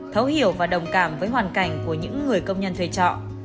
thấu hiểu và đồng cảm với hoàn cảnh của những người công nhân thuê trọ